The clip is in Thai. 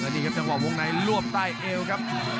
นี่ครับจังหวะวงในลวบใต้เอวครับ